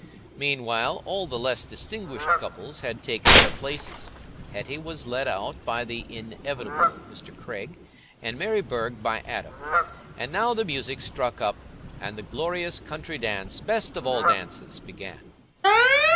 Meanwhile, all the less distinguished couples had taken their places: Hetty was led out by the inevitable Mr. Craig, and Mary Burge by Adam; and now the music struck up, and the glorious country dance, best of all dances, began.